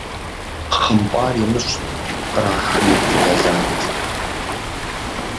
ХъымпIар имыщIт, кърахми пу нэлат.